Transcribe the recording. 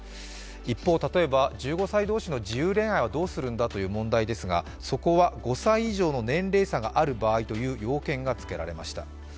一方、例えば１５歳同士の自由恋愛はどうするんだという話ですがそこは５歳以上の年齢差がある場合という要件がつけられました。